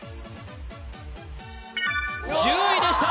１０位でした！